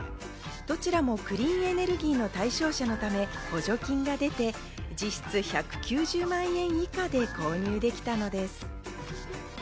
どちらもクリーンエネルギーの対象車のため、補助金が出て、実質１９０万円以下で購入できたのです。